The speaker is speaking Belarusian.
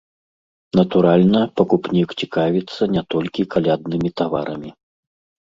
Натуральна, пакупнік цікавіцца не толькі каляднымі таварамі.